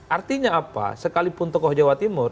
artinya apa sekalipun tokoh jawa timur